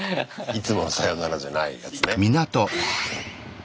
いつものさよならじゃないやつね。